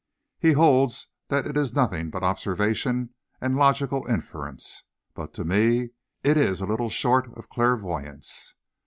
He holds that it is nothing but observation and logical inference, but to me it is little short of clairvoyance.